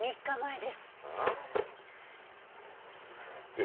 ３日前です。